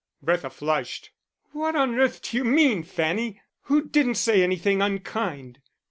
Bertha flushed. "What on earth do you mean, Fanny? Who didn't say anything unkind?"